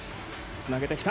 つなげてきた。